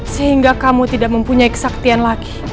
sehingga kamu tidak mempunyai kesaktian lagi